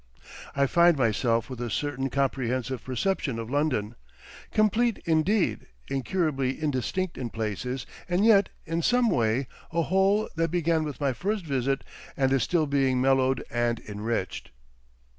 I find myself with a certain comprehensive perception of London, complete indeed, incurably indistinct in places and yet in some way a whole that began with my first visit and is still being mellowed and enriched.